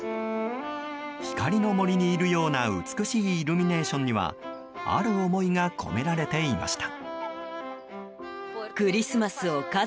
光の森にいるような美しいイルミネーションにはある思いが込められていました。